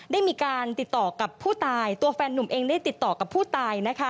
ได้มีการติดต่อกับผู้ตายตัวแฟนนุ่มเองได้ติดต่อกับผู้ตาย